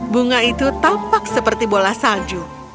bunga itu tampak seperti bola salju